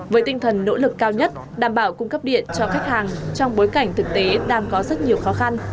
với tinh thần nỗ lực cao nhất đảm bảo cung cấp điện cho khách hàng trong bối cảnh thực tế đang có rất nhiều khó khăn